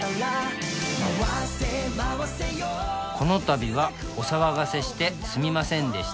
「この度はお騒がせしてすみませんでした」